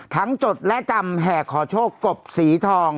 จดและจำแห่ขอโชคกบสีทอง